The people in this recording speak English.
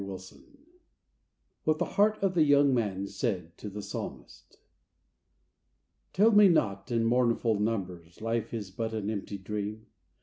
■WHAT THE HEART OF THE YOUNG MAN SAID TO THE PSALMIST. Tell me not, in mournful numbers, Life is but an empty dream